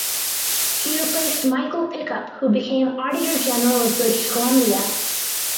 He replaced Michael Pickup who became Auditor General of British Columbia.